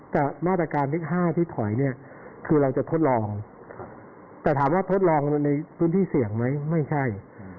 แต่มาตรการที่๕ที่ถอยเนี่ยคือเราจะทดลองแต่ถามว่าทดลองในพื้นที่เสี่ยงไหมไม่ใช่